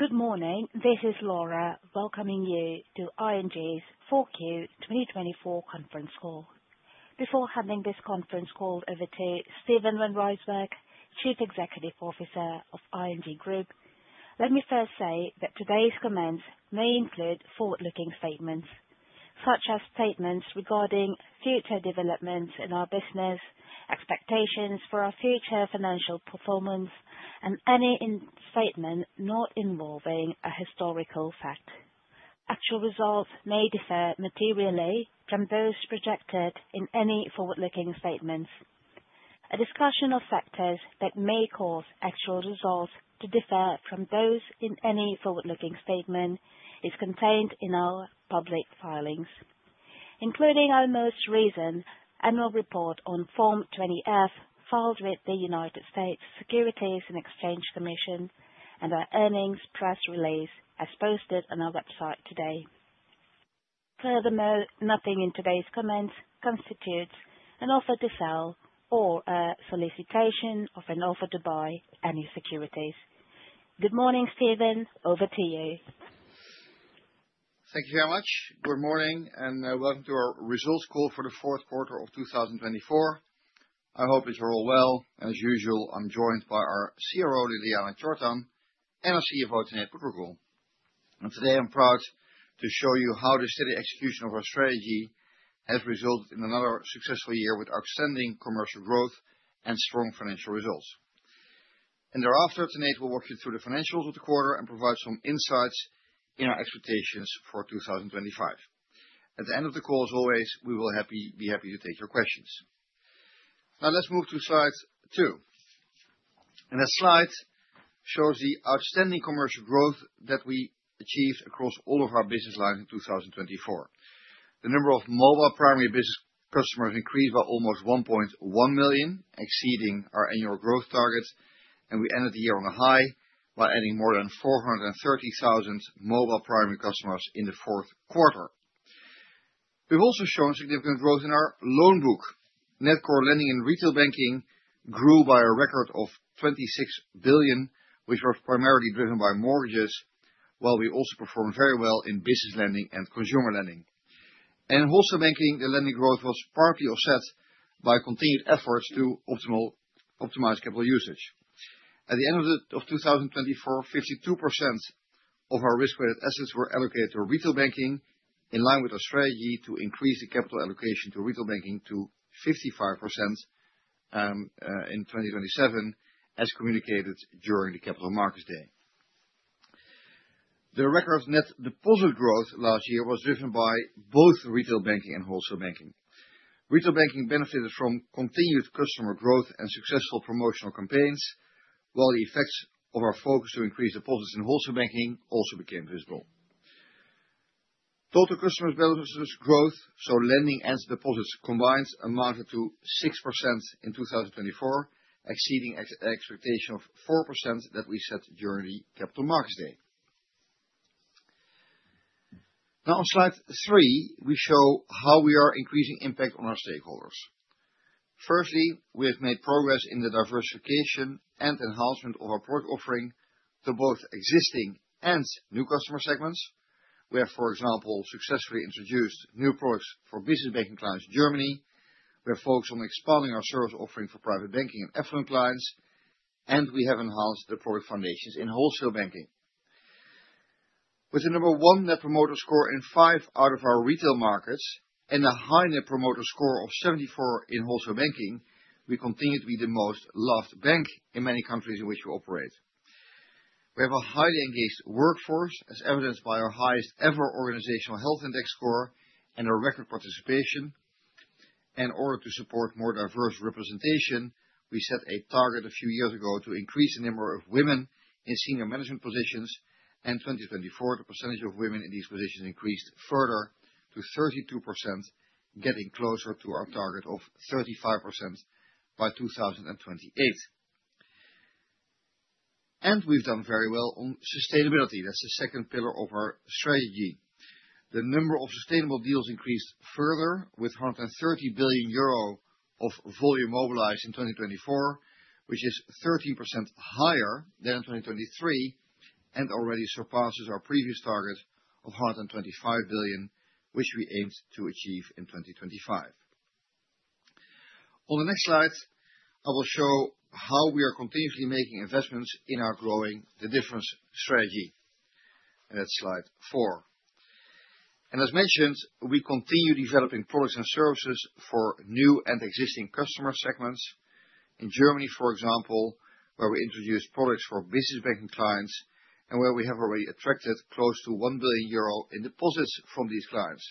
Good morning, this is Laura welcoming you to ING's 4Q 2024 Conference Call. Before handing this conference call over to Steven van Rijswijk, Chief Executive Officer of ING Group, let me first say that today's comments may include forward-looking statements, such as statements regarding future developments in our business, expectations for our future financial performance, and any statement not involving a historical fact. Actual results may differ materially from those projected in any forward-looking statements. A discussion of factors that may cause actual results to differ from those in any forward-looking statement is contained in our public filings, including our most recent annual report on Form 20-F filed with the United States Securities and Exchange Commission and our earnings press release as posted on our website today. Furthermore, nothing in today's comments constitutes an offer to sell or a solicitation of an offer to buy any securities. Good morning, Steven, over to you. Thank you very much. Good morning and welcome to our Results Call for the fourth quarter of 2024. I hope it's all well. As usual, I'm joined by our CRO, Ljiljana Čortan, and our CFO, Tanate Phutrakul. Today, I'm proud to show you how the steady execution of our strategy has resulted in another successful year with outstanding commercial growth and strong financial results. And thereafter, Tanate will walk you through the financials of the quarter and provide some insights in our expectations for 2025. At the end of the call, as always, we will be happy to take your questions. Now, let's move to slide two. And that slide shows the outstanding commercial growth that we achieved across all of our business lines in 2024. The number of mobile primary business customers increased by almost 1.1 million, exceeding our annual growth target, and we ended the year on a high by adding more than 430,000 mobile primary customers in the fourth quarter. We've also shown significant growth in our loan book. Net core lending in retail banking grew by a record of 26 billion, which was primarily driven by mortgages, while we also performed very well in business lending and consumer lending, and in wholesale banking, the lending growth was partly offset by continued efforts to optimize capital usage. At the end of 2024, 52% of our risk-weighted assets were allocated to retail banking, in line with our strategy to increase the capital allocation to retail banking to 55% in 2027, as communicated during the Capital Markets Day. The record net deposit growth last year was driven by both retail banking and wholesale banking. Retail banking benefited from continued customer growth and successful promotional campaigns, while the effects of our focus to increase deposits in wholesale banking also became visible. Total customer benefits growth, so lending and deposits combined, amounted to 6% in 2024, exceeding the expectation of 4% that we set during the Capital Markets Day. Now, on slide three, we show how we are increasing impact on our stakeholders. Firstly, we have made progress in the diversification and enhancement of our product offering to both existing and new customer segments. We have, for example, successfully introduced new products for business banking clients in Germany. We have focused on expanding our service offering for private banking and Affluent clients, and we have enhanced the product foundations in wholesale banking. With a number one net promoter score in five out of our retail markets and a high net promoter score of 74 in wholesale banking, we continue to be the most loved bank in many countries in which we operate. We have a highly engaged workforce, as evidenced by our highest ever Organizational Health Index score and our record participation. In order to support more diverse representation, we set a target a few years ago to increase the number of women in senior management positions, and in 2024, the percentage of women in these positions increased further to 32%, getting closer to our target of 35% by 2028, and we've done very well on sustainability. That's the second pillar of our strategy. The number of sustainable deals increased further, with 130 billion euro of volume mobilized in 2024, which is 13% higher than in 2023, and already surpasses our previous target of 125 billion, which we aimed to achieve in 2025. On the next slide, I will show how we are continuously making investments in our Growing the Difference strategy, and that's slide four. And as mentioned, we continue developing products and services for new and existing customer segments. In Germany, for example, where we introduced products for business banking clients and where we have already attracted close to one billion euro in deposits from these clients,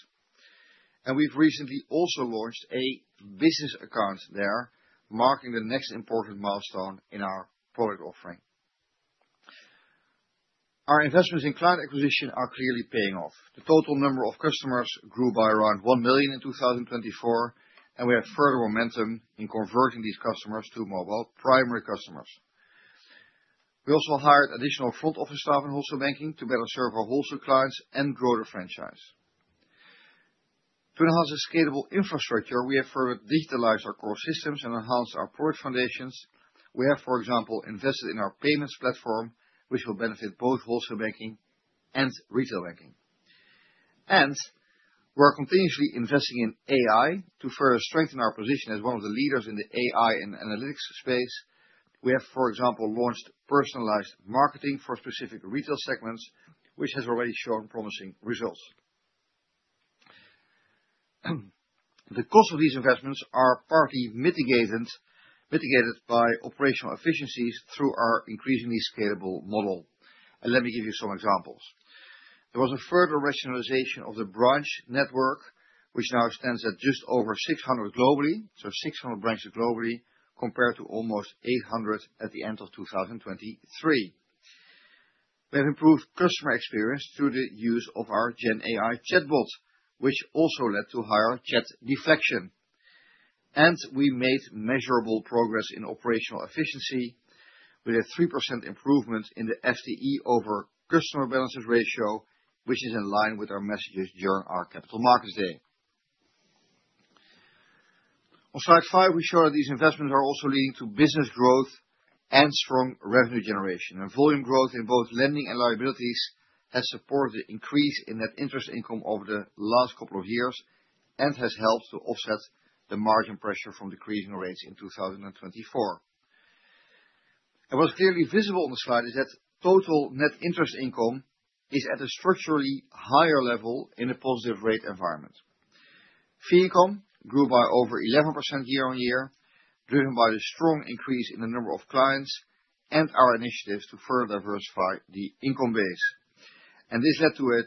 and we've recently also launched a business account there, marking the next important milestone in our product offering. Our investments in client acquisition are clearly paying off. The total number of customers grew by around one million in 2024, and we have further momentum in converting these customers to mobile primary customers. We also hired additional front office staff in wholesale banking to better serve our wholesale clients and grow the franchise. To enhance the scalable infrastructure, we have further digitalized our core systems and enhanced our product foundations. We have, for example, invested in our payments platform, which will benefit both wholesale banking and retail banking. And we're continuously investing in AI to further strengthen our position as one of the leaders in the AI and analytics space. We have, for example, launched personalized marketing for specific retail segments, which has already shown promising results. The cost of these investments are partly mitigated by operational efficiencies through our increasingly scalable model. And let me give you some examples. There was a further rationalization of the branch network, which now extends at just over 600 globally, so 600 branches globally, compared to almost 800 at the end of 2023. We have improved customer experience through the use of our Gen AI Chatbot, which also led to higher chat deflection, and we made measurable progress in operational efficiency. We had a 3% improvement in the FTE over customer balances ratio, which is in line with our messages during our Capital Markets Day. On slide five, we show that these investments are also leading to business growth and strong revenue generation, and volume growth in both lending and liabilities has supported the increase in net interest income over the last couple of years and has helped to offset the margin pressure from decreasing rates in 2024. What's clearly visible on the slide is that total net interest income is at a structurally higher level in a positive rate environment. Fee income grew by over 11% year on year, driven by the strong increase in the number of clients and our initiatives to further diversify the income base. This led to a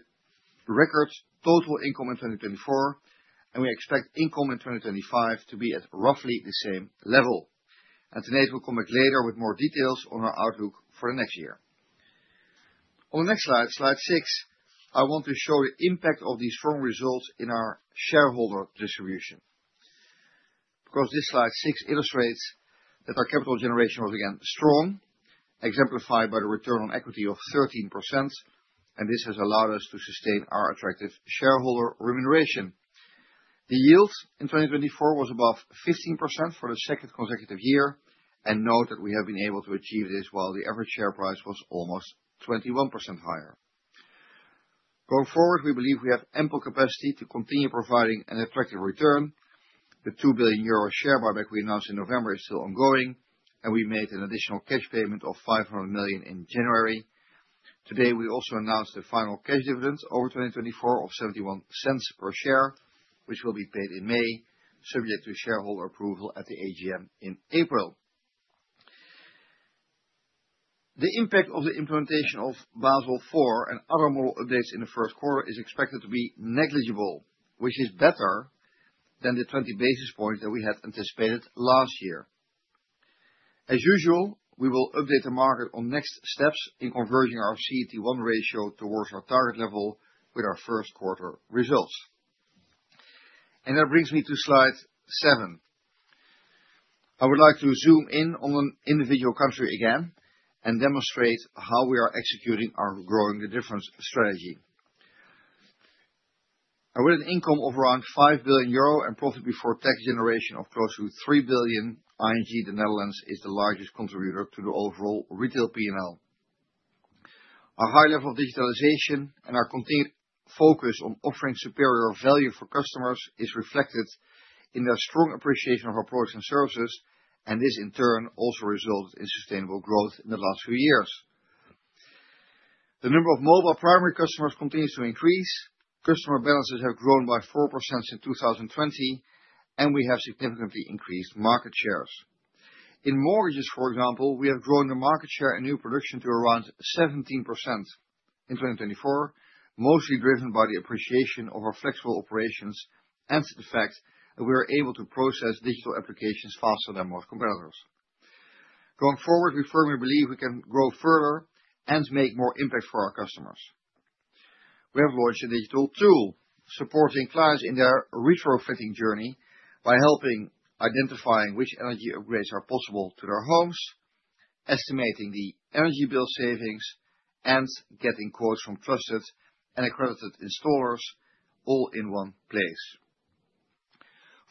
record total income in 2024, and we expect income in 2025 to be at roughly the same level. Tanate will come back later with more details on our outlook for the next year. On the next slide, slide six, I want to show the impact of these firm results in our shareholder distribution. Because this slide six illustrates that our capital generation was again strong, exemplified by the return on equity of 13%, and this has allowed us to sustain our attractive shareholder remuneration. The yield in 2024 was above 15% for the second consecutive year, and note that we have been able to achieve this while the average share price was almost 21% higher. Going forward, we believe we have ample capacity to continue providing an attractive return. The 2 billion euro share buyback we announced in November is still ongoing, and we made an additional cash payment of 500 million in January. Today, we also announced the final cash dividend over 2024 of 0.71 per share, which will be paid in May, subject to shareholder approval at the AGM in April. The impact of the implementation of Basel IV and other model updates in the first quarter is expected to be negligible, which is better than the 20 basis points that we had anticipated last year. As usual, we will update the market on next steps in converging our CET1 ratio towards our target level with our first quarter results, and that brings me to slide seven. I would like to zoom in on an individual country again and demonstrate how we are executing our Growing the Difference strategy, and with an income of around 5 billion euro and profit before tax generation of close to 3 billion, ING the Netherlands is the largest contributor to the overall retail P&L. Our high level of digitalization and our continued focus on offering superior value for customers is reflected in their strong appreciation of our products and services, and this in turn also resulted in sustainable growth in the last few years. The number of mobile primary customers continues to increase. Customer balances have grown by 4% since 2020, and we have significantly increased market shares. In mortgages, for example, we have grown the market share in new production to around 17% in 2024, mostly driven by the appreciation of our flexible operations and the fact that we are able to process digital applications faster than most competitors. Going forward, we firmly believe we can grow further and make more impact for our customers. We have launched a digital tool supporting clients in their retrofitting journey by helping identify which energy upgrades are possible to their homes, estimating the energy bill savings, and getting quotes from trusted and accredited installers, all in one place.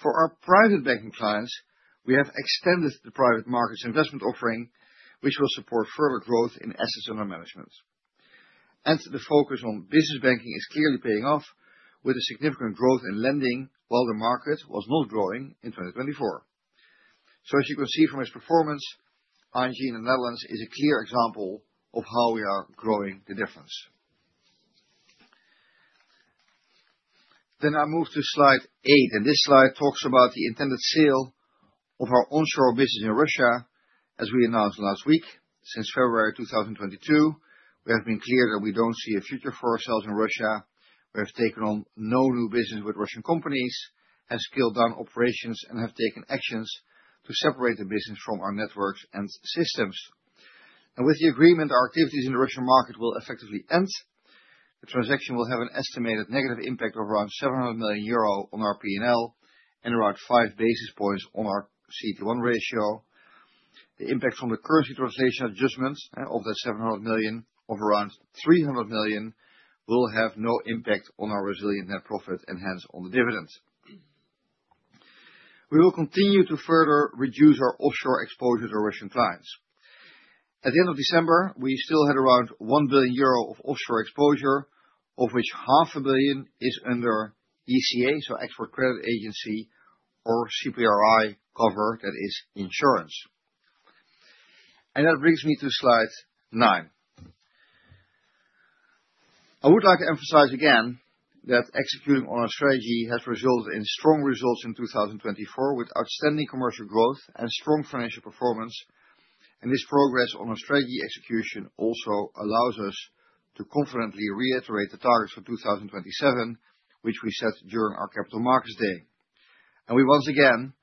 For our private banking clients, we have extended the private markets investment offering, which will support further growth in assets under management. And the focus on business banking is clearly paying off with a significant growth in lending while the market was not growing in 2024. As you can see from its performance, ING The Netherlands is a clear example of how we are growing the difference. I move to slide eight, and this slide talks about the intended sale of our onshore business in Russia. As we announced last week, since February 2022, we have been clear that we don't see a future for ourselves in Russia. We have taken on no new business with Russian companies, have scaled down operations, and have taken actions to separate the business from our networks and systems. With the agreement, our activities in the Russian market will effectively end. The transaction will have an estimated negative impact of around 700 million euro on our P&L and around 5 basis points on our CET1 ratio. The impact from the currency translation adjustment of that 700 million of around 300 million will have no impact on our resilient net profit and hence on the dividend. We will continue to further reduce our offshore exposure to Russian clients. At the end of December, we still had around 1 billion euro of offshore exposure, of which 500 million is under ECA, so Export Credit Agency or CPRI cover, that is insurance. That brings me to slide nine. I would like to emphasize again that executing on our strategy has resulted in strong results in 2024, with outstanding commercial growth and strong financial performance. This progress on our strategy execution also allows us to confidently reiterate the targets for 2027, which we set during our Capital Markets Day. We once again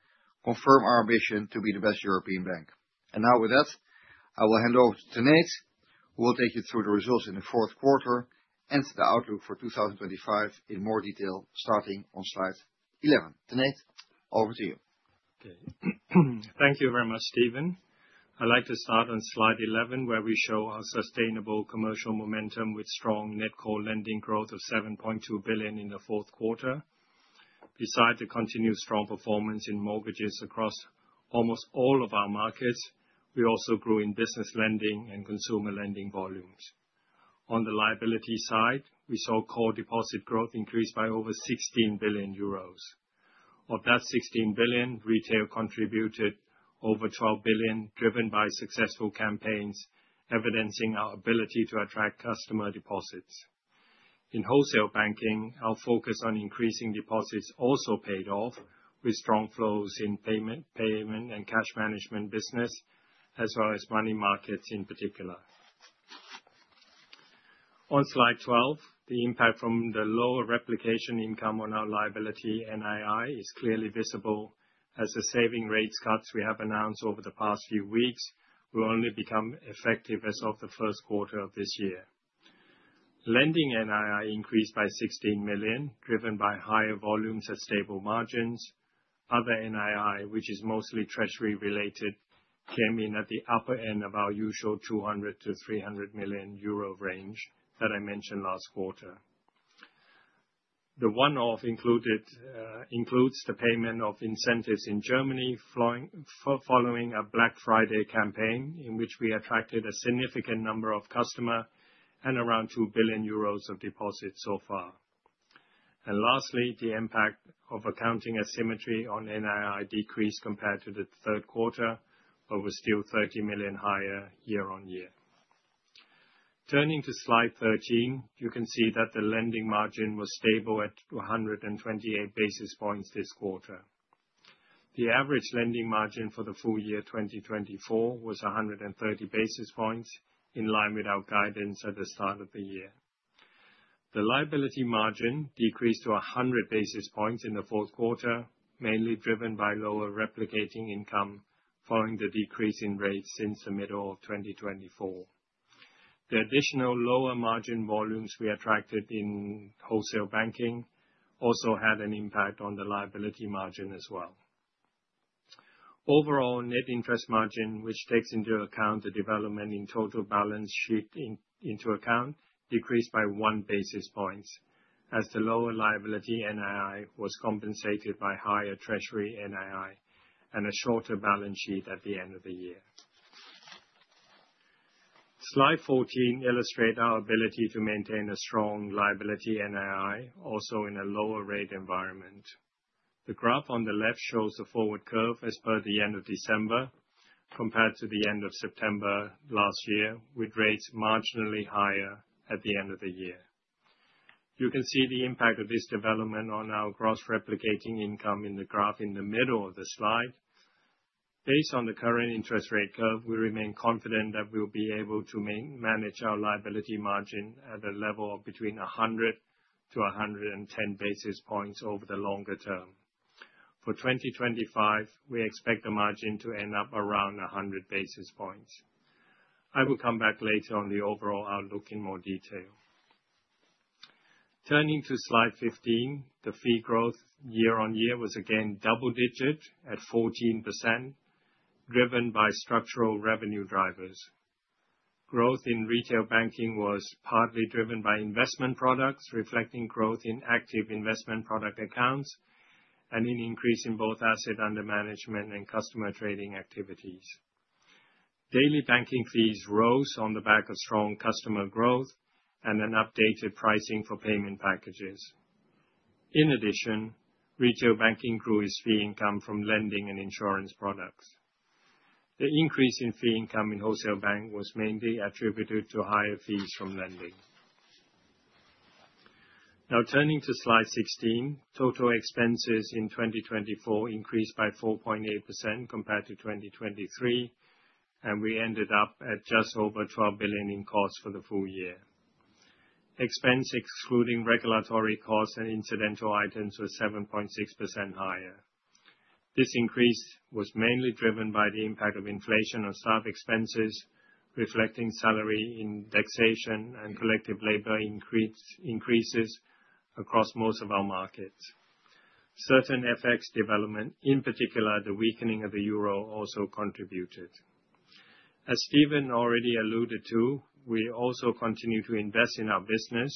confirm our ambition to be the best European bank. Now, with that, I will hand over to Tanate, who will take you through the results in the fourth quarter and the outlook for 2025 in more detail, starting on slide 11. Tanate, over to you. Okay. Thank you very much, Steven. I'd like to start on slide 11, where we show our sustainable commercial momentum with strong net core lending growth of 7.2 billion in the fourth quarter. Besides the continued strong performance in mortgages across almost all of our markets, we also grew in business lending and consumer lending volumes. On the liability side, we saw core deposit growth increase by over 16 billion euros. Of that 16 billion, retail contributed over 12 billion, driven by successful campaigns evidencing our ability to attract customer deposits. In wholesale banking, our focus on increasing deposits also paid off with strong flows in payment and cash management business, as well as money markets in particular. On slide 12, the impact from the lower replication income on our liability NII is clearly visible, as the saving rate cuts we have announced over the past few weeks will only become effective as of the first quarter of this year. Lending NII increased by 16 million, driven by higher volumes at stable margins. Other NII, which is mostly treasury-related, came in at the upper end of our usual 200 million-300 million euro range that I mentioned last quarter. The one-off includes the payment of incentives in Germany following a Black Friday campaign, in which we attracted a significant number of customers and around 2 billion euros of deposits so far. Lastly, the impact of accounting asymmetry on NII decreased compared to the third quarter, but was still 30 million higher year on year. Turning to slide 13, you can see that the lending margin was stable at 128 basis points this quarter. The average lending margin for the full year 2024 was 130 basis points, in line with our guidance at the start of the year. The liability margin decreased to 100 basis points in the fourth quarter, mainly driven by lower replicating income following the decrease in rates since the middle of 2024. The additional lower margin volumes we attracted in wholesale banking also had an impact on the liability margin as well. Overall net interest margin, which takes into account the development in total balance sheet, decreased by one basis point, as the lower liability NII was compensated by higher treasury NII and a shorter balance sheet at the end of the year. Slide 14 illustrates our ability to maintain a strong liability NII, also in a lower rate environment. The graph on the left shows the forward curve as per the end of December compared to the end of September last year, with rates marginally higher at the end of the year. You can see the impact of this development on our gross replicating income in the graph in the middle of the slide. Based on the current interest rate curve, we remain confident that we will be able to manage our liability margin at a level of between 100 to 110 basis points over the longer term. For 2025, we expect the margin to end up around 100 basis points. I will come back later on the overall outlook in more detail. Turning to slide 15, the fee growth year on year was again double-digit at 14%, driven by structural revenue drivers. Growth in retail banking was partly driven by investment products, reflecting growth in active investment product accounts and an increase in both asset under management and customer trading activities. Daily banking fees rose on the back of strong customer growth and an updated pricing for payment packages. In addition, retail banking grew its fee income from lending and insurance products. The increase in fee income in wholesale bank was mainly attributed to higher fees from lending. Now, turning to slide 16, total expenses in 2024 increased by 4.8% compared to 2023, and we ended up at just over 12 billion in costs for the full year. Expenses, excluding regulatory costs and incidental items, was 7.6% higher. This increase was mainly driven by the impact of inflation on staff expenses, reflecting salary indexation and collective labor increases across most of our markets. Currency effects, in particular the weakening of the euro, also contributed. As Steven already alluded to, we also continue to invest in our business.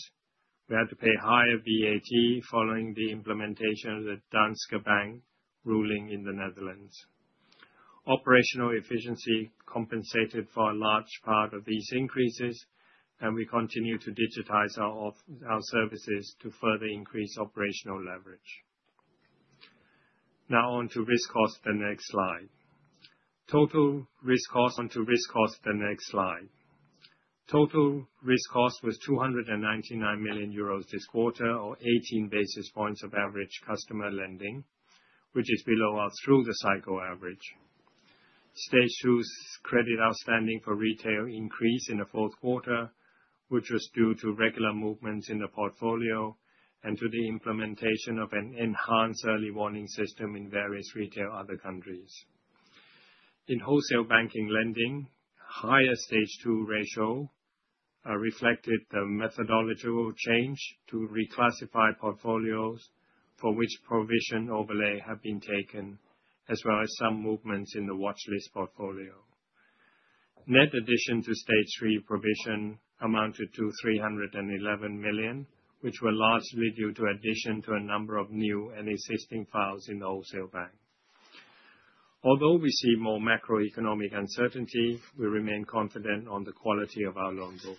We had to pay higher VAT following the implementation of the Danske Bank ruling in the Netherlands. Operational efficiency compensated for a large part of these increases, and we continue to digitize our services to further increase operational leverage. Now, on to risk cost, the next slide. Total risk cost was 299 million euros this quarter, or 18 basis points of average customer lending, which is below our through-the-cycle average. Stage 2 credit outstanding for retail increased in the fourth quarter, which was due to regular movements in the portfolio and to the implementation of an enhanced early warning system in various retail other countries. In Wholesale Banking lending, higher Stage 2 ratio reflected the methodological change to reclassify portfolios for which provision overlay had been taken, as well as some movements in the watchlist portfolio. Net addition to Stage 3 provision amounted to 311 million, which were largely due to addition to a number of new and existing files in the Wholesale Bank. Although we see more macroeconomic uncertainty, we remain confident on the quality of our loan book.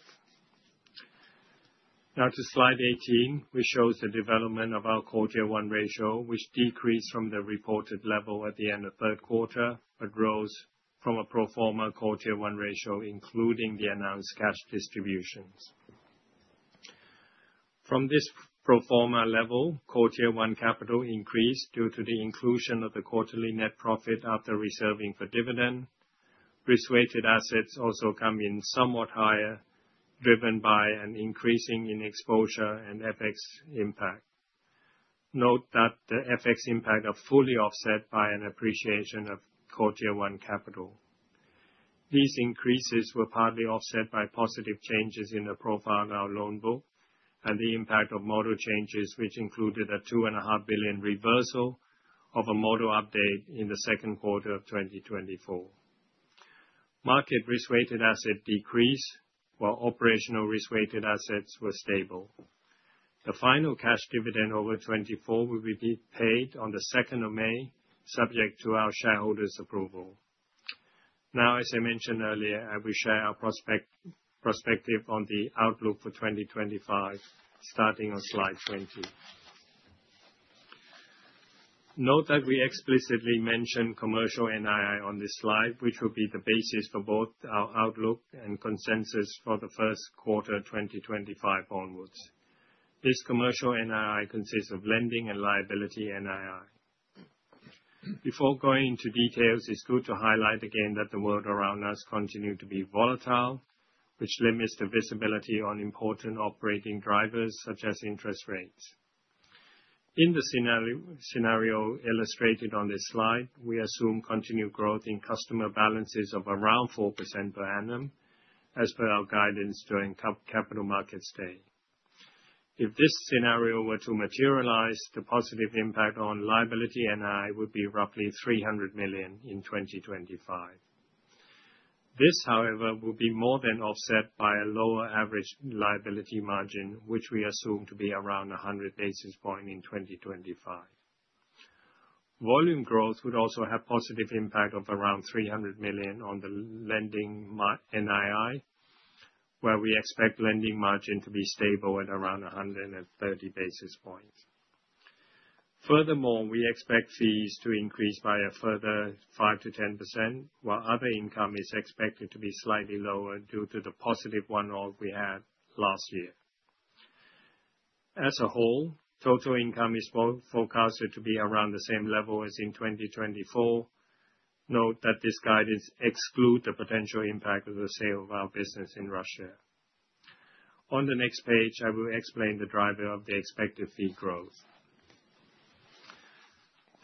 Now, to slide 18, which shows the development of our CET1 ratio, which decreased from the reported level at the end of third quarter, but rose from a pro forma CET1 ratio, including the announced cash distributions. From this pro forma level, CET1 capital increased due to the inclusion of the quarterly net profit after reserving for dividend. Risk-weighted assets also come in somewhat higher, driven by an increase in exposure and FX impact. Note that the FX impacts are fully offset by an appreciation of CET1 capital. These increases were partly offset by positive changes in the profile of our loan book and the impact of model changes, which included a 2.5 billion reversal of a model update in the second quarter of 2024. Market risk-weighted assets decreased, while operational risk-weighted assets were stable. The final cash dividend over 2024 will be paid on the 2nd of May, subject to our shareholders' approval. Now, as I mentioned earlier, I will share our prospective on the outlook for 2025, starting on slide 20. Note that we explicitly mention commercial NII on this slide, which will be the basis for both our outlook and consensus for the first quarter 2025 onwards. This commercial NII consists of lending and liability NII. Before going into details, it's good to highlight again that the world around us continues to be volatile, which limits the visibility on important operating drivers, such as interest rates. In the scenario illustrated on this slide, we assume continued growth in customer balances of around 4% per annum, as per our guidance during Capital Markets Day. If this scenario were to materialize, the positive impact on liability NII would be roughly 300 million in 2025. This, however, will be more than offset by a lower average liability margin, which we assume to be around 100 basis points in 2025. Volume growth would also have a positive impact of around 300 million on the lending NII, where we expect lending margin to be stable at around 130 basis points. Furthermore, we expect fees to increase by a further 5%-10%, while other income is expected to be slightly lower due to the positive one-off we had last year. As a whole, total income is forecasted to be around the same level as in 2024. Note that this guidance excludes the potential impact of the sale of our business in Russia. On the next page, I will explain the driver of the expected fee growth.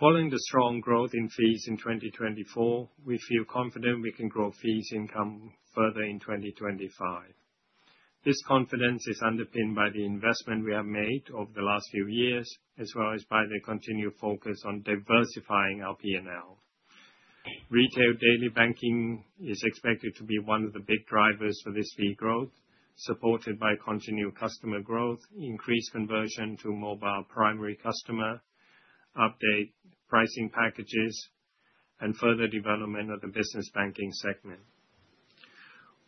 Following the strong growth in fees in 2024, we feel confident we can grow fees income further in 2025. This confidence is underpinned by the investment we have made over the last few years, as well as by the continued focus on diversifying our P&L. Retail daily banking is expected to be one of the big drivers for this fee growth, supported by continued customer growth, increased conversion to mobile primary customer update, pricing packages, and further development of the business banking segment.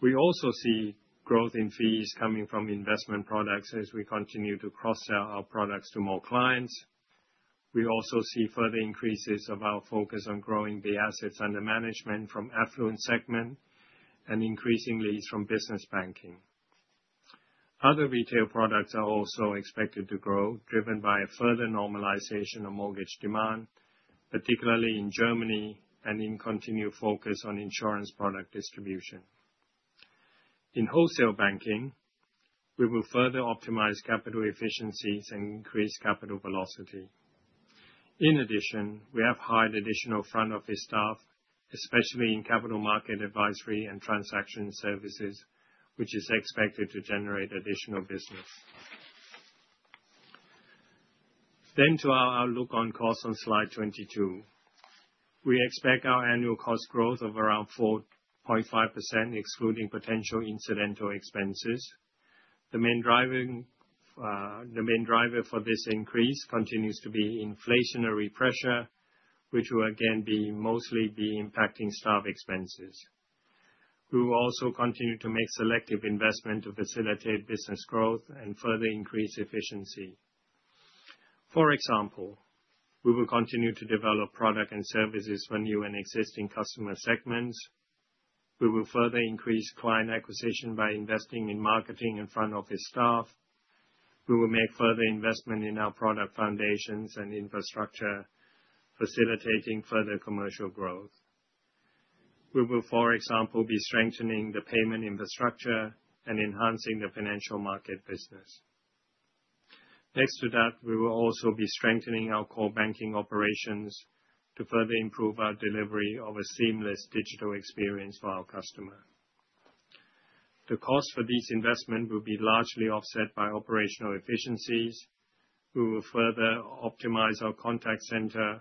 We also see growth in fees coming from investment products as we continue to cross-sell our products to more clients. We also see further increases of our focus on growing the assets under management from the affluent segment and increasingly from business banking. Other retail products are also expected to grow, driven by a further normalization of mortgage demand, particularly in Germany and in continued focus on insurance product distribution. In wholesale banking, we will further optimize capital efficiencies and increase capital velocity. In addition, we have hired additional front office staff, especially in capital market advisory and transaction services, which is expected to generate additional business. Then, to our outlook on costs on slide 22, we expect our annual cost growth of around 4.5%, excluding potential incidental expenses. The main driver for this increase continues to be inflationary pressure, which will again be mostly impacting staff expenses. We will also continue to make selective investment to facilitate business growth and further increase efficiency. For example, we will continue to develop products and services for new and existing customer segments. We will further increase client acquisition by investing in marketing and front office staff. We will make further investment in our product foundations and infrastructure, facilitating further commercial growth. We will, for example, be strengthening the payment infrastructure and enhancing the financial market business. Next to that, we will also be strengthening our core banking operations to further improve our delivery of a seamless digital experience for our customers. The cost for these investments will be largely offset by operational efficiencies. We will further optimize our contact center,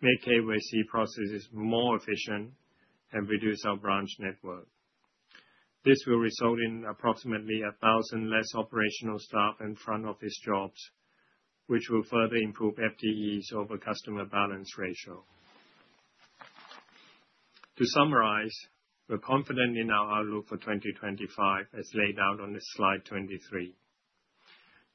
make KYC processes more efficient, and reduce our branch network. This will result in approximately 1,000 less operational staff and front office jobs, which will further improve FTEs over customer balance ratio. To summarize, we're confident in our outlook for 2025, as laid out on slide 23.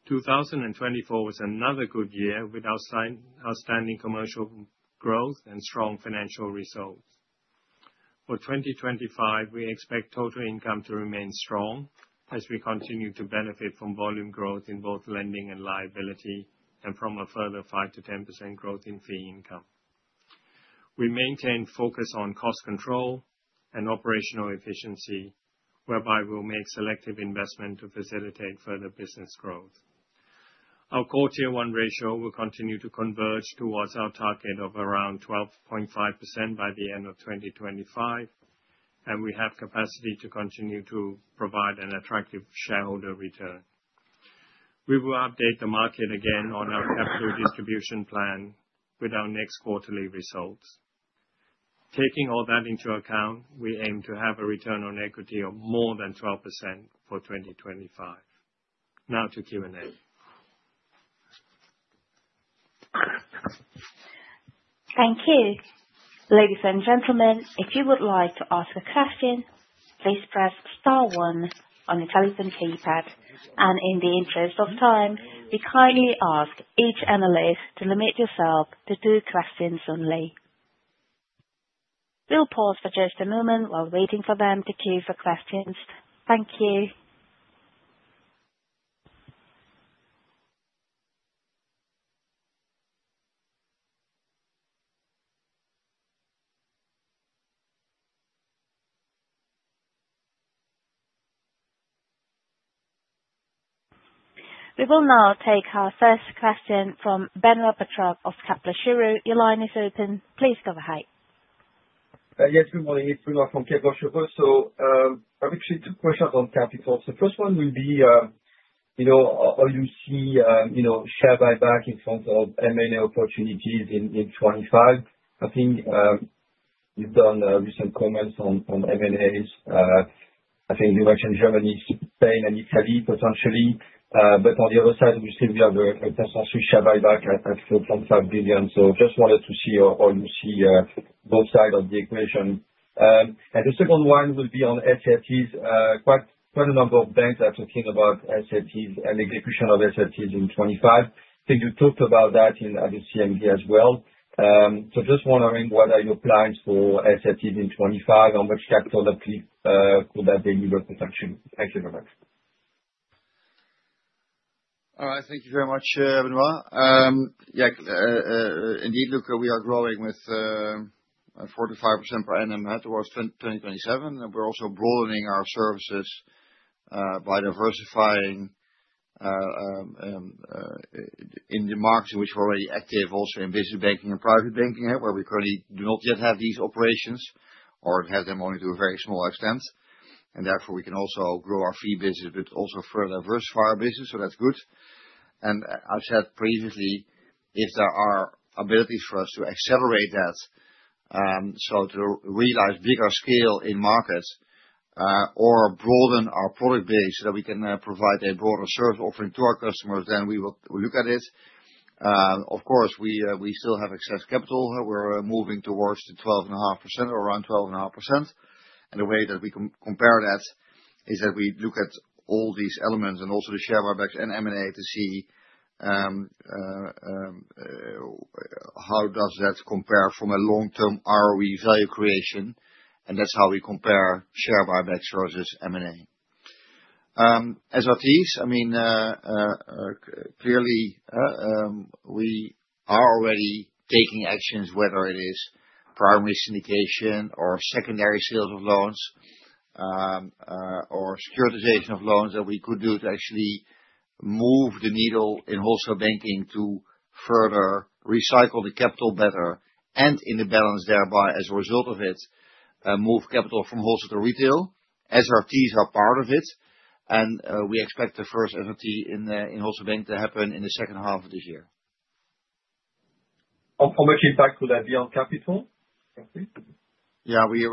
2024 was another good year with outstanding commercial growth and strong financial results. For 2025, we expect total income to remain strong as we continue to benefit from volume growth in both lending and liability and from a further 5%-10% growth in fee income. We maintain focus on cost control and operational efficiency, whereby we will make selective investment to facilitate further business growth. Our CET1 ratio will continue to converge towards our target of around 12.5% by the end of 2025, and we have capacity to continue to provide an attractive shareholder return. We will update the market again on our capital distribution plan with our next quarterly results. Taking all that into account, we aim to have a return on equity of more than 12% for 2025. Now to Q&A. Thank you. Ladies and gentlemen, if you would like to ask a question, please press star one on the telephone keypad. In the interest of time, we kindly ask each analyst to limit yourself to two questions only. We'll pause for just a moment while waiting for them to queue for questions. Thank you. We will now take our first question from Benoit Pétrarque of Kepler Cheuvreux. Your line is open. Please go ahead. Yes, good morning. It's Benoit from Kepler Cheuvreux. So I'm interested in two questions on capital. So first one will be, you know, are you seeing share buyback in front of M&A opportunities in 2025? I think you've done recent comments on M&As. I think you mentioned Germany, Spain, and Italy potentially. But on the other side, obviously, we have a consolidation share buyback at EUR 4.5 billion. So just wanted to see how you see both sides of the equation. And the second one will be on SRTs. Quite a number of banks are talking about SRTs and execution of SRTs in 25. I think you talked about that at the CMD as well. So just wondering, what are your plans for SRÏTs in 25? How much capital upkeep could that deliver potentially? Thank you very much. All right. Thank you very much, Benoit. Yeah, indeed, look, we are growing with 4%-5% per annum towards 2027. We're also broadening our services, by diversifying in the markets in which we're already active, also in business banking and private banking, where we currently do not yet have these operations, or have them only to a very small extent. And therefore, we can also grow our fee business, but also further diversify our business. So that's good. As I've said previously, if there are abilities for us to accelerate that, so to realize bigger scale in markets or broaden our product base so that we can provide a broader service offering to our customers, then we will look at it. Of course, we still have excess capital. We're moving towards the 12.5% or around 12.5%. And the way that we compare that is that we look at all these elements and also the share buybacks and M&A to see how does that compare from a long-term ROE value creation? And that's how we compare share buyback versus M&A. As for fees, I mean, clearly, we are already taking actions, whether it is primary syndication or secondary sales of loans or securitization of loans that we could do to actually move the needle in wholesale banking to further recycle the capital better and in the balance thereby, as a result of it, move capital from wholesale to retail. SRTs are part of it. And we expect the first SRT in wholesale bank to happen in the second half of this year. How much impact would that be on capital? Yeah, we're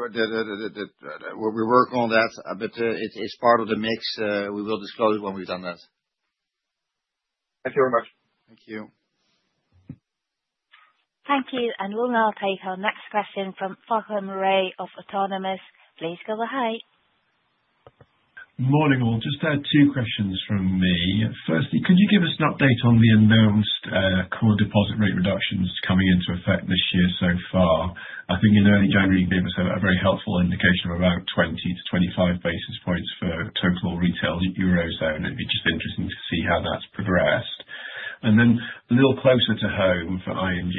working on that, but it's part of the mix. We will disclose when we've done that. Thank you very much. Thank you. Thank you. And we'll now take our next question from Farquhar Murray of Autonomous Research. Please go ahead. Morning all. Just two questions from me. Firstly, could you give us an update on the announced core deposit rate reductions coming into effect this year so far? I think in early January, you gave us a very helpful indication of about 20 to 25 basis points for total retail eurozone. It'd be just interesting to see how that's progressed. And then a little closer to home for ING,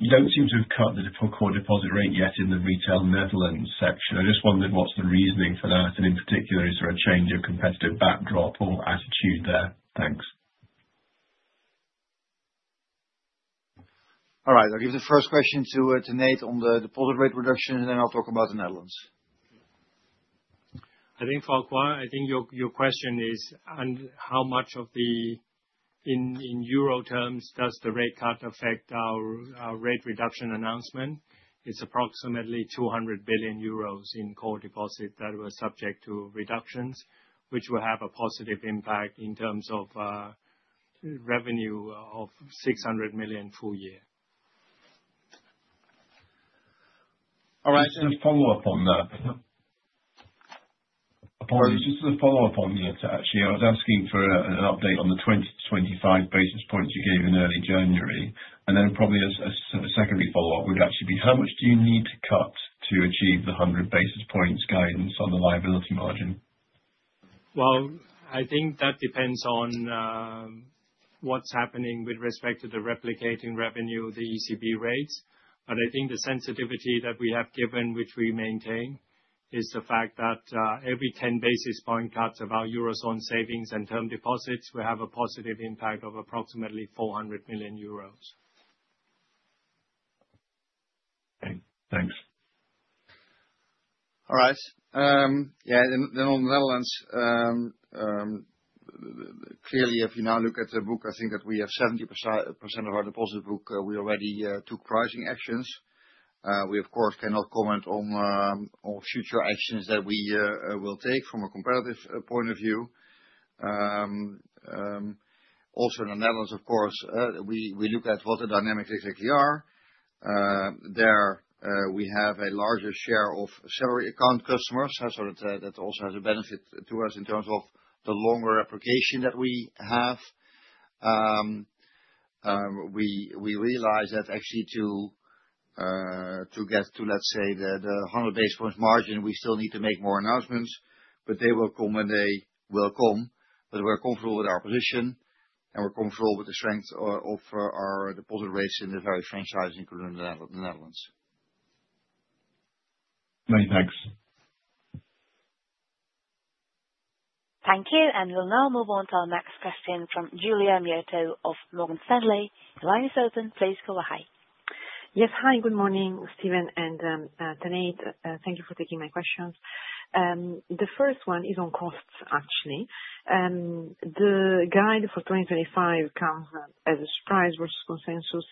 you don't seem to have cut the core deposit rate yet in the retail Netherlands section. I just wondered, what's the reasoning for that? And in particular, is there a change of competitive backdrop or attitude there? Thanks. All right. I'll give the first question to Tanate on the deposit rate reduction, and then I'll talk about the Netherlands. I think, Farquhar, I think your question is, how much of the in euro terms, does the rate cut affect our rate reduction announcement? It's approximately 200 billion euros in core deposit that were subject to reductions, which will have a positive impact in terms of revenue of 600 million full year. All right. Just a follow-up on that. Actually, I was asking for an update on the 20-25 basis points you gave in early January, and then probably a secondary follow-up would actually be, how much do you need to cut to achieve the 100 basis points guidance on the liability margin? Well, I think that depends on what's happening with respect to the re-pricing revenue, the ECB rates. But I think the sensitivity that we have given, which we maintain, is the fact that every 10 basis point cuts of our eurozone savings and term deposits, we have a positive impact of approximately 400 million euros. Thanks. All right. Yeah. Then, on the Netherlands, clearly, if you now look at the book, I think that we have 70% of our deposit book. We already took pricing actions. We, of course, cannot comment on future actions that we will take from a competitive point of view. Also, in the Netherlands, of course, we look at what the dynamics exactly are. There, we have a larger share of salary account customers, so that also has a benefit to us in terms of the longer duration that we have. We realize that actually to get to, let's say, the 100 basis points margin, we still need to make more announcements, but they will come when they will come. But we're comfortable with our position, and we're comfortable with the strength of our deposit rates in our franchise, including the Netherlands. Thanks. Thank you. We'll now move on to our next question from Giulia Miotto of Morgan Stanley. The line is open. Please go ahead. Yes. Hi. Good morning, Steven and Tanate. Thank you for taking my questions. The first one is on costs, actually. The guide for 2025 comes as a surprise versus consensus.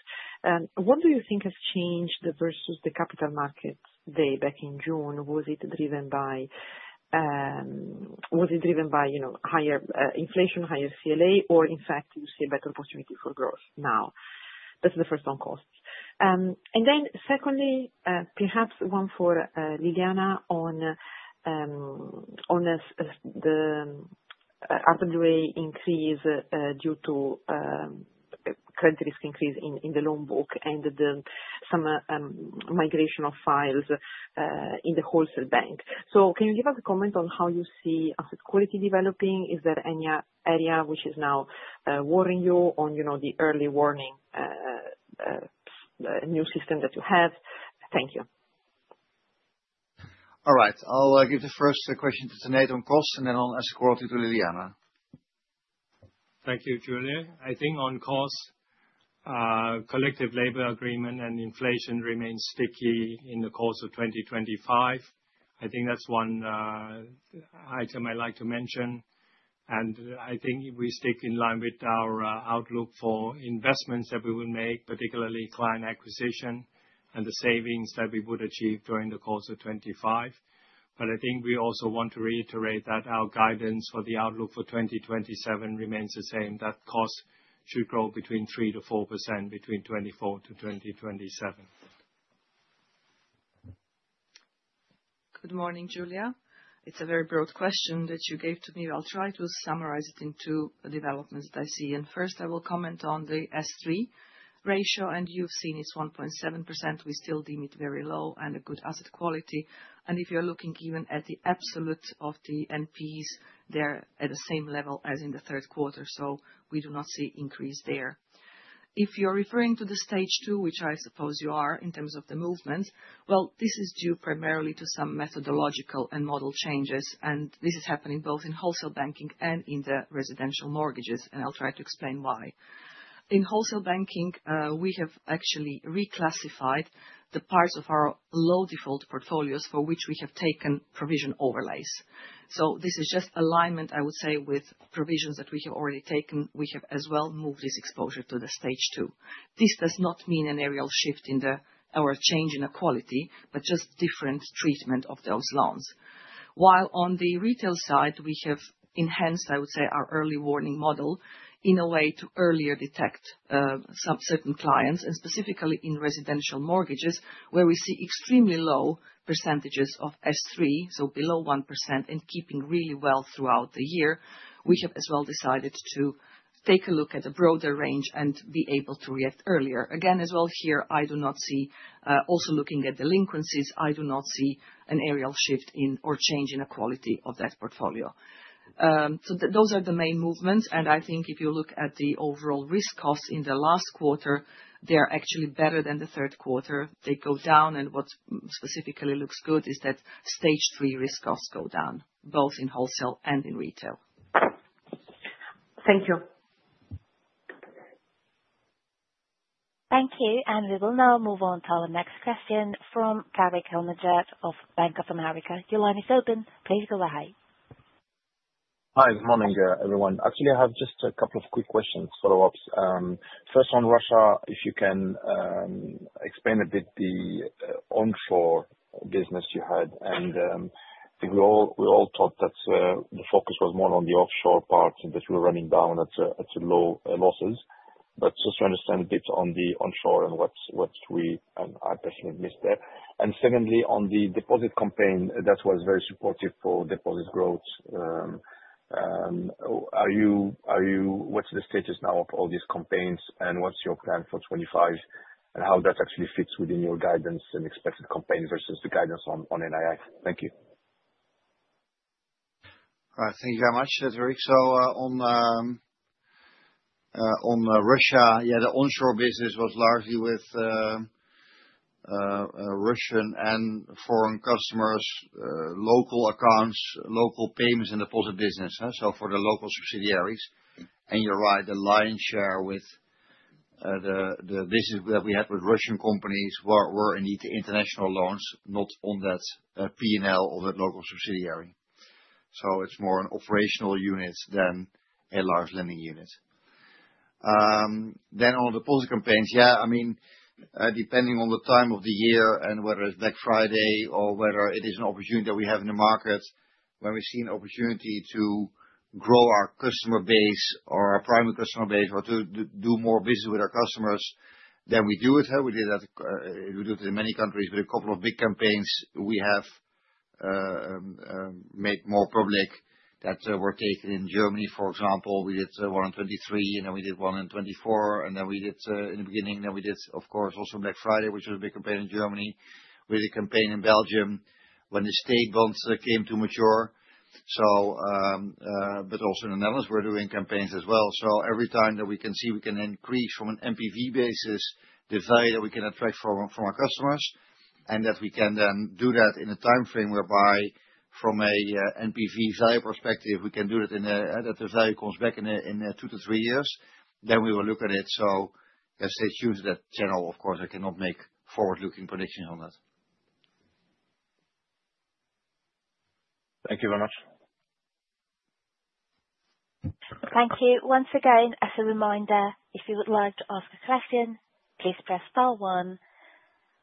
What do you think has changed versus the Capital Markets Day back in June? Was it driven by higher inflation, higher CLA, or in fact, do you see a better opportunity for growth now? That's the first on costs. And then secondly, perhaps one for Ljiljana on the RWA increase due to credit risk increase in the loan book and some migration of files in the wholesale bank. So can you give us a comment on how you see asset quality developing? Is there any area which is now warning you on the early warning new system that you have? Thank you. All right. I'll give the first question to Tanate on costs, and then I'll ask a question to Ljiljana. Thank you, Giulia. I think on costs, collective labor agreement and inflation remain sticky in the course of 2025. I think that's one item I like to mention. And I think we stick in line with our outlook for investments that we will make, particularly client acquisition and the savings that we would achieve during the course of 2025. But I think we also want to reiterate that our guidance for the outlook for 2027 remains the same, that costs should grow between 3% to 4% between 2024 to 2027. Good morning, Giulia. It's a very broad question that you gave to me. I'll try to summarize it into the developments that I see. And first, I will comment on the Stage 3 ratio. And you've seen it's 1.7%. We still deem it very low and a good asset quality. And if you're looking even at the absolute of the NPLs, they're at the same level as in the third quarter. So we do not see increase there. If you're referring to the stage two, which I suppose you are in terms of the movement, well, this is due primarily to some methodological and model changes. And this is happening both in wholesale banking and in the residential mortgages. And I'll try to explain why. In wholesale banking, we have actually reclassified the parts of our low default portfolios for which we have taken provision overlays. So this is just alignment, I would say, with provisions that we have already taken. We have as well moved this exposure to Stage 2. This does not mean a material shift in the credit quality, but just different treatment of those loans. While on the retail side, we have enhanced, I would say, our early warning model in a way to earlier detect certain clients, and specifically in residential mortgages, where we see extremely low percentages of Stage 3, so below 1%, and keeping really well throughout the year, we have as well decided to take a look at a broader range and be able to react earlier. Again, as well here, I do not see, also looking at delinquencies, I do not see a material shift in the credit quality of that portfolio. So those are the main movements. And I think if you look at the overall risk costs in the last quarter, they are actually better than the third quarter. They go down. And what specifically looks good is that stage three risk costs go down, both in wholesale and in retail. Thank you. Thank you. And we will now move on to our next question from Tarik El Mejjad of Bank of America. Your line is open. Please go ahead. Hi. Good morning, everyone. Actually, I have just a couple of quick questions, follow-ups. First, on Russia, if you can explain a bit the onshore business you had. And we all thought that the focus was more on the offshore part and that we were running down at low losses. But just to understand a bit on the onshore and what we. And I definitely missed that. And secondly, on the deposit campaign, that was very supportive for deposit growth. What's the status now of all these campaigns? And what's your plan for 2025? And how that actually fits within your guidance and expected campaign versus the guidance on NII? Thank you. All right. Thank you very much, Cédric. So on Russia, yeah, the onshore business was largely with Russian and foreign customers, local accounts, local payments and deposit business, so for the local subsidiaries. And you're right, the lion's share with the business that we had with Russian companies were indeed the international loans, not on that P&L of that local subsidiary. So it's more an operational unit than a large lending unit. Then on the deposit campaigns, yeah, I mean, depending on the time of the year and whether it's Black Friday or whether it is an opportunity that we have in the market where we've seen opportunity to grow our customer base or our primary customer base or to do more business with our customers, then we do it. We did that. We do it in many countries. But a couple of big campaigns we have made more public that were taken in Germany, for example. We did one in 2023, and then we did one in 2024. And then we did in the beginning, of course, also Black Friday, which was a big campaign in Germany. We did a campaign in Belgium when the state bonds came to mature. But also in the Netherlands, we're doing campaigns as well. So every time that we can see, we can increase from an NPV basis the value that we can attract from our customers. And that we can then do that in a time frame whereby from an NPV value perspective, that the value comes back in two to three years, then we will look at it. So stay tuned to that channel. Of course, I cannot make forward-looking predictions on that. Thank you very much. Thank you. Once again, as a reminder, if you would like to ask a question, please press star one.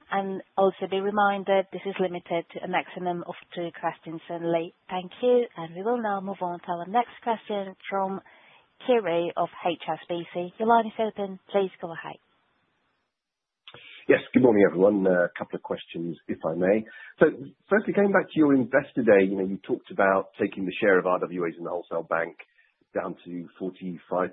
And also be reminded, this is limited to a maximum of two questions only. Thank you. And we will now move on to our next question from Kiri Vijayarajah of HSBC. Your line is open. Please go ahead. Yes. Good morning, everyone. A couple of questions, if I may. Firstly, going back to your investor day, you talked about taking the share of RWAs in the wholesale bank down to 45%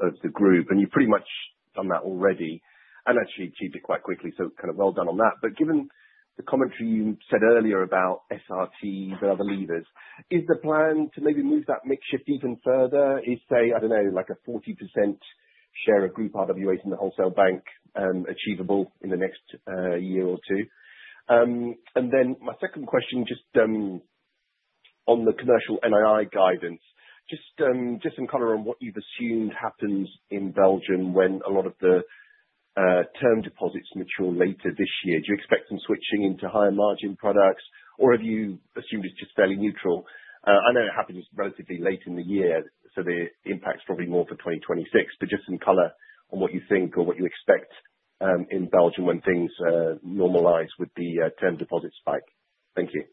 of the group. You've pretty much done that already and actually achieved it quite quickly. Kind of well done on that. Given the commentary you said earlier about SRT, the other levers, is the plan to maybe move that mix a bit deeper and further? Is, say, I don't know, like a 40% share of group RWAs in the wholesale bank achievable in the next year or two? My second question, just on the commercial NII guidance, just some color on what you've assumed happens in Belgium when a lot of the term deposits mature later this year. Do you expect some switching into higher margin products, or have you assumed it's just fairly neutral? I know it happens relatively late in the year, so the impact's probably more for 2026. But just some color on what you think or what you expect in Belgium when things normalize with the term deposit spike. Thank you.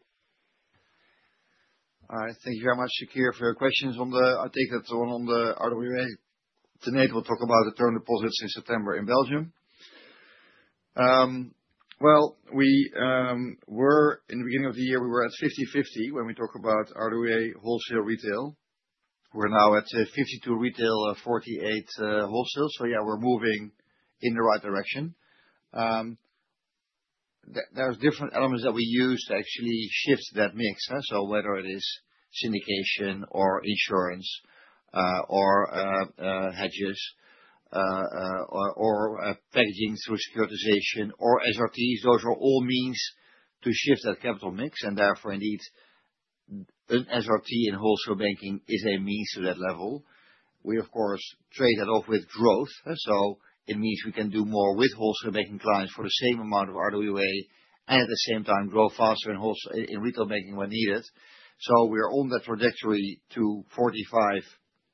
All right. Thank you very much, Kiri, for your questions on the. I take that one on the RWA. Tanate will talk about the term deposits in September in Belgium. Well, in the beginning of the year, we were at 50-50 when we talk about RWA wholesale retail. We're now at 52 retail, 48 wholesale. So yeah, we're moving in the right direction. There's different elements that we use to actually shift that mix, so whether it is syndication or insurance or hedges or packaging through securitization or SRTs, those are all means to shift that capital mix. And therefore, indeed, an SRT in wholesale banking is a means to that level. We, of course, trade that off with growth. So it means we can do more with wholesale banking clients for the same amount of RWA and at the same time grow faster in retail banking when needed. So we're on that trajectory to 45%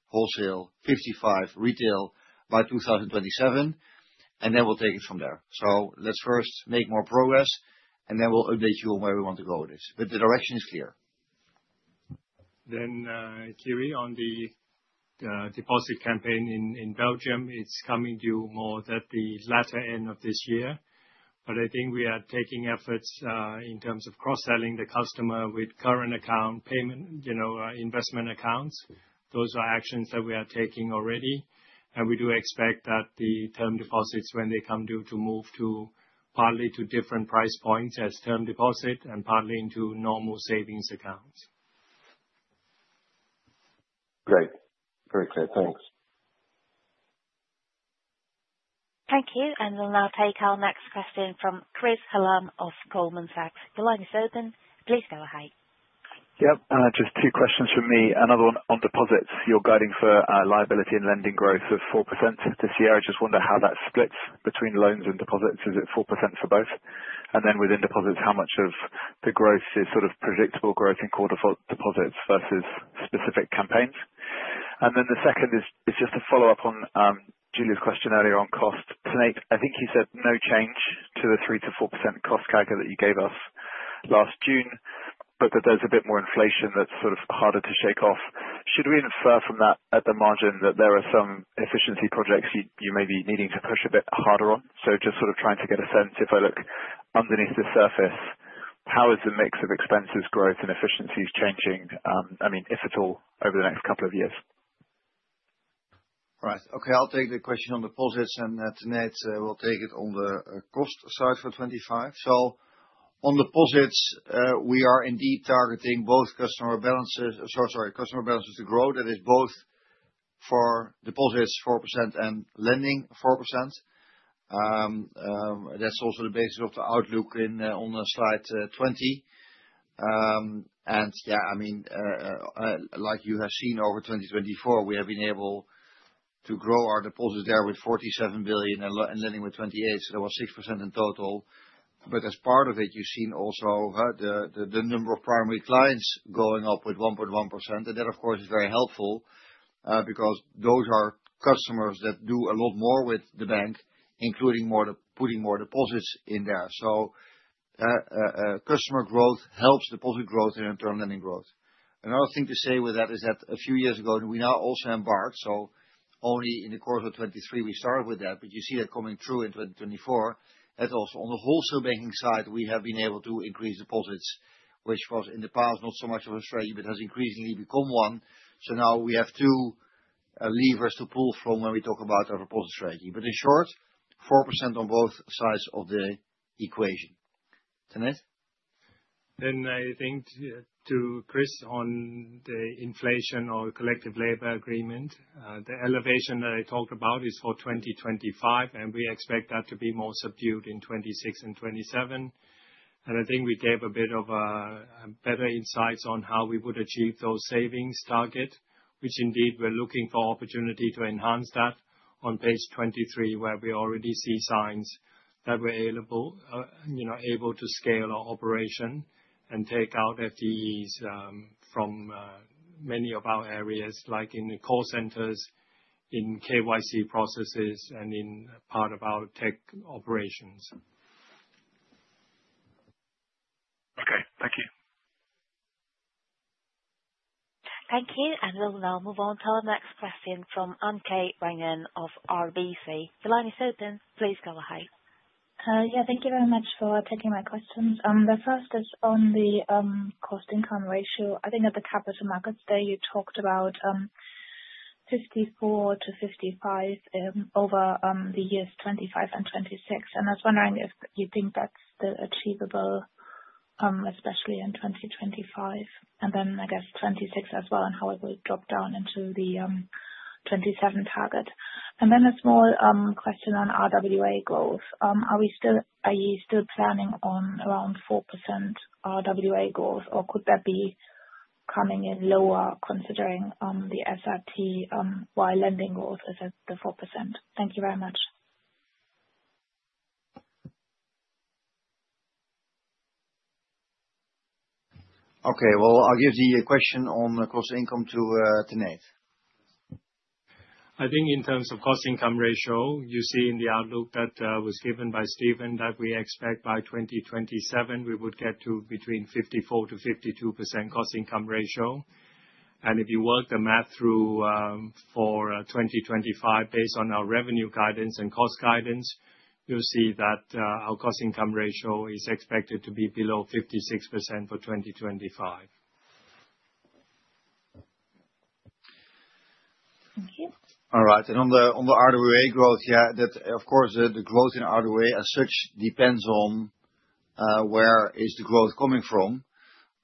wholesale, 55% retail by 2027. And then we'll take it from there. So let's first make more progress, and then we'll update you on where we want to go with this. But the direction is clear. Then, Kiri, on the deposit campaign in Belgium, it's coming due more at the latter end of this year. But I think we are taking efforts in terms of cross-selling the customer with current account payment investment accounts. Those are actions that we are taking already. And we do expect that the term deposits, when they come due, to move partly to different price points as term deposit and partly into normal savings accounts. Great. Very clear. Thanks. Thank you. And we'll now take our next question from Chris Hallam of Goldman Sachs. Your line is open. Please go ahead. Yep. Just two questions from me. Another one on deposits. You're guiding for liability and lending growth of 4% this year. I just wonder how that splits between loans and deposits. Is it 4% for both? And then within deposits, how much of the growth is sort of predictable growth in quarter deposits versus specific campaigns? And then the second is just to follow up on Giulia's question earlier on cost. Tanate, I think you said no change to the 3%-4% cost calculator that you gave us last June, but that there's a bit more inflation that's sort of harder to shake off. Should we infer from that at the margin that there are some efficiency projects you may be needing to push a bit harder on? So just sort of trying to get a sense, if I look underneath the surface, how is the mix of expenses, growth, and efficiencies changing, I mean, if at all, over the next couple of years? Right. Okay. I'll take the question on deposits. And Tanate, we'll take it on the cost side for 2025. So on deposits, we are indeed targeting both customer balances to grow. That is both for deposits 4% and lending 4%. That's also the basis of the outlook on slide 20. Yeah, I mean, like you have seen over 2024, we have been able to grow our deposits there with 47 billion and lending with 28 billion. So there was 6% in total. But as part of it, you've seen also the number of primary clients going up with 1.1%. That, of course, is very helpful because those are customers that do a lot more with the bank, including putting more deposits in there. So customer growth helps deposit growth and internal lending growth. Another thing to say with that is that a few years ago, we now also embarked. So only in the course of 2023, we started with that. But you see that coming true in 2024. That also on the wholesale banking side, we have been able to increase deposits, which was in the past not so much of a strategy, but has increasingly become one. So now we have two levers to pull from when we talk about our deposit strategy. But in short, 4% on both sides of the equation. Tanate? Then I think to Chris on the inflation or collective labor agreement. The elevation that I talked about is for 2025, and we expect that to be more subdued in 2026 and 2027. And I think we gave a bit of better insights on how we would achieve those savings targets, which indeed we're looking for opportunity to enhance that on page 23, where we already see signs that we're able to scale our operation and take out FTEs from many of our areas, like in the call centers, in KYC processes, and in part of our tech operations. Okay. Thank you. Thank you. And we'll now move on to our next question from Anke Reingen of RBC. The line is open. Please go ahead. Yeah. Thank you very much for taking my questions. The first is on the cost-income ratio. I think at the Capital Markets Day, you talked about 54%-55% over the years 2025 and 2026. And I was wondering if you think that's achievable, especially in 2025. And then I guess 2026 as well and how it will drop down into the 2027 target. And then a small question on RWA growth. Are you still planning on around 4% RWA growth, or could that be coming in lower considering the SRT while lending growth is at the 4%? Thank you very much. Okay. Well, I'll give the question on cost-income to Tanate. I think in terms of cost-income ratio, you see in the outlook that was given by Steven that we expect by 2027, we would get to between 54% to 52% cost-income ratio. If you work the math through for 2025, based on our revenue guidance and cost guidance, you'll see that our cost-income ratio is expected to be below 56% for 2025. Thank you. All right. On the RWA growth, yeah, of course, the growth in RWA as such depends on where is the growth coming from.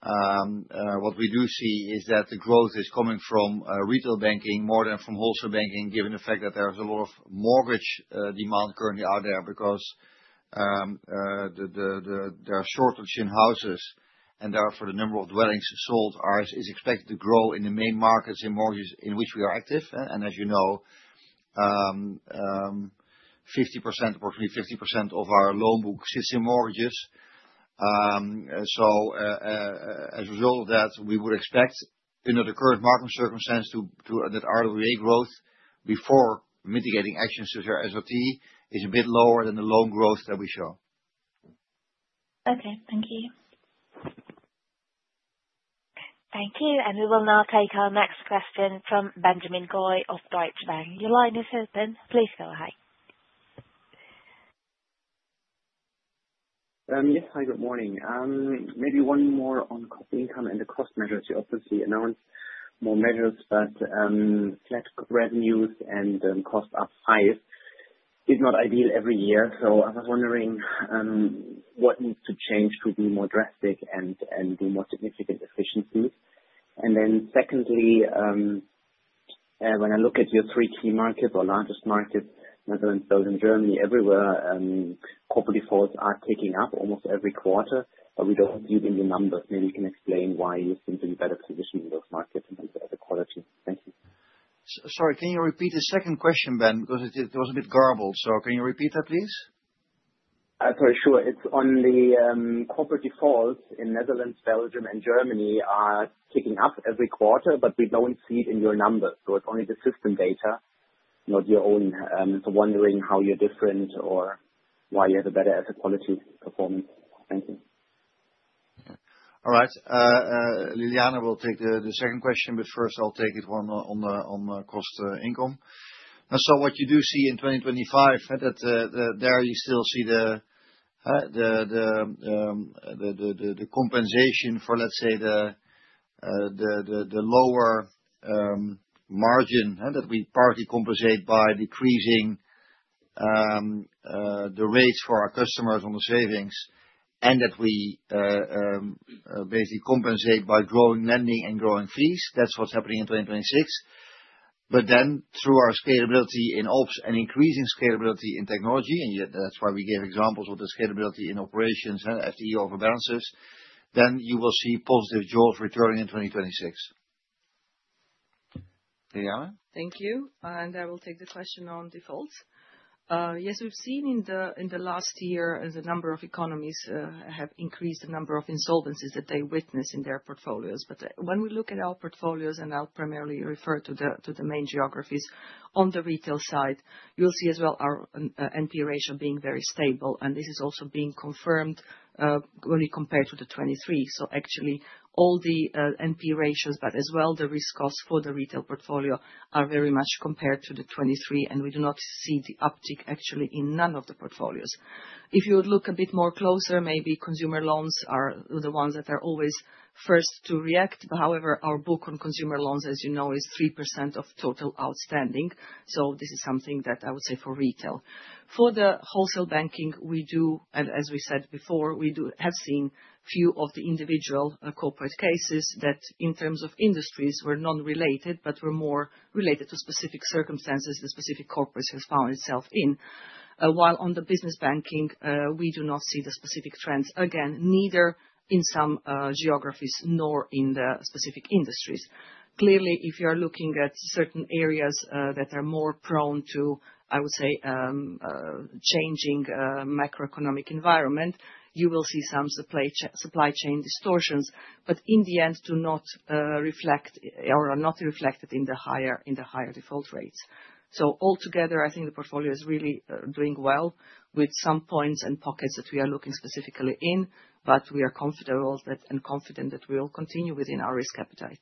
What we do see is that the growth is coming from retail banking more than from wholesale banking, given the fact that there's a lot of mortgage demand currently out there because there's a shortage in houses. Therefore, the number of dwellings sold is expected to grow in the main markets in mortgages in which we are active. As you know, approximately 50% of our loan book sits in mortgages. So as a result of that, we would expect under the current market circumstance that RWA growth before mitigating actions to their SRT is a bit lower than the loan growth that we show. Okay. Thank you. Thank you. And we will now take our next question from Benjamin Goy of Deutsche Bank. Your line is open. Please go ahead. Yes. Hi, good morning. Maybe one more on cost-income and the cost measures. You obviously announced more measures, but flat revenues and cost up high is not ideal every year. So I was wondering what needs to change to be more drastic and do more significant efficiencies. And then secondly, when I look at your three key markets, our largest market, Netherlands, Belgium, Germany, everywhere, corporate defaults are ticking up almost every quarter. But we don't see it in the numbers. Maybe you can explain why you seem to be better positioned in those markets in terms of quality. Thank you. Sorry. Can you repeat the second question, Ben? Because it was a bit garbled. So can you repeat that, please? Sure. It's on the corporate defaults in Netherlands, Belgium, and Germany are ticking up every quarter, but we don't see it in your numbers. So it's only the systemic data, not your own. So wondering how you're different or why you have a better quality performance. Thank you. All right. Ljiljana Čortan will take the second question, but first, I'll take the one on cost-income. So what you do see in 2025, there you still see the compensation for, let's say, the lower margin that we partly compensate by decreasing the rates for our customers on the savings and that we basically compensate by growing lending and growing fees. That's what's happening in 2026. But then through our scalability in ops and increasing scalability in technology, and that's why we gave examples of the scalability in operations, FTE over balances, then you will see positive jaws returning in 2026. Ljiljana? Thank you. And I will take the question on defaults. Yes, we've seen in the last year as a number of economies have increased the number of insolvencies that they witness in their portfolios. But when we look at our portfolios, and I'll primarily refer to the main geographies, on the retail side, you'll see as well our NP ratio being very stable. And this is also being confirmed when we compare to the 2023. So actually, all the NP ratios, but as well the risk cost for the retail portfolio, are very much compared to the 2023. We do not see the uptick actually in none of the portfolios. If you would look a bit more closely, maybe consumer loans are the ones that are always first to react. However, our book on consumer loans, as you know, is 3% of total outstanding. This is something that I would say for retail. For the wholesale banking, we do, as we said before, we have seen few of the individual corporate cases that in terms of industries were non-related but were more related to specific circumstances the specific corporation has found itself in. While on the business banking, we do not see the specific trends, again, neither in some geographies nor in the specific industries. Clearly, if you are looking at certain areas that are more prone to, I would say, changing macroeconomic environment, you will see some supply chain distortions, but in the end, do not reflect or are not reflected in the higher default rates. So altogether, I think the portfolio is really doing well with some points and pockets that we are looking specifically in, but we are confident that we will continue within our risk appetite.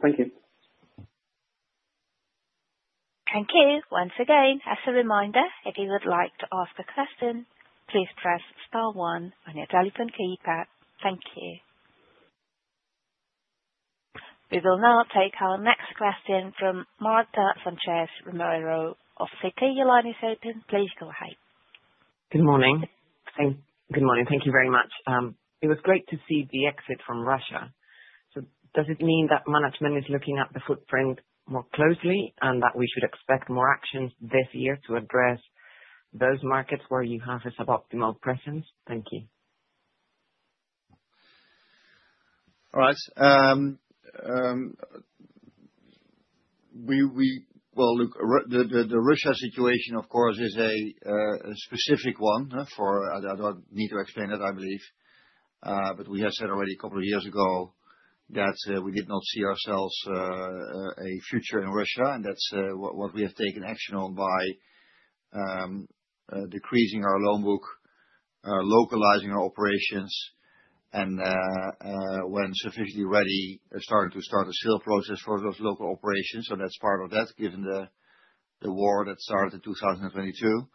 Thank you. Thank you. Once again, as a reminder, if you would like to ask a question, please press star one on your telephone keypad. Thank you. We will now take our next question from Marta Sanchez Romero of Citi. Your line is open. Please go ahead. Good morning. Good morning. Thank you very much. It was great to see the exit from Russia. So does it mean that management is looking at the footprint more closely and that we should expect more actions this year to address those markets where you have a suboptimal presence? Thank you. All right. Well, look, the Russia situation, of course, is a specific one. I don't need to explain it, I believe. But we have said already a couple of years ago that we did not see ourselves a future in Russia. And that's what we have taken action on by decreasing our loan book, localizing our operations, and when sufficiently ready, starting a sale process for those local operations. So that's part of that, given the war that started in 2022.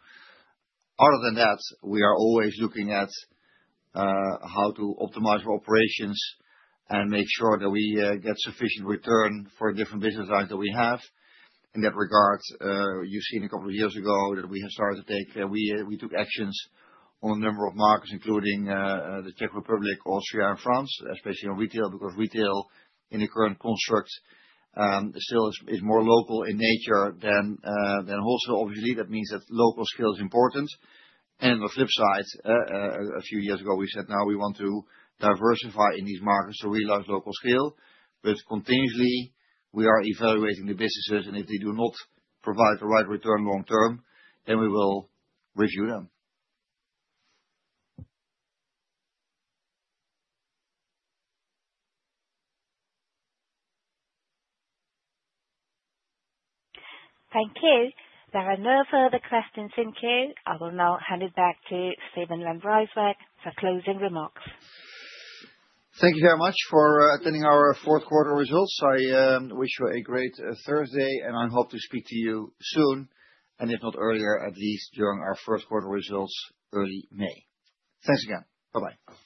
Other than that, we are always looking at how to optimize our operations and make sure that we get sufficient return for different business lines that we have. In that regard, you've seen a couple of years ago that we took actions on a number of markets, including the Czech Republic, Austria, and France, especially on retail, because retail in the current construct still is more local in nature than wholesale. Obviously, that means that local scale is important. And on the flip side, a few years ago, we said, "Now, we want to diversify in these markets to realize local scale." But continuously, we are evaluating the businesses. And if they do not provide the right return long-term, then we will review them. Thank you. There are no further questions in queue. I will now hand it back to Steven van Rijswijk for closing remarks. Thank you very much for attending our fourth quarter results. I wish you a great Thursday, and I hope to speak to you soon, and if not earlier, at least during our first quarter results early May. Thanks again. Bye-bye.